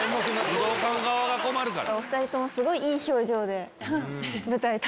武道館側が困るから。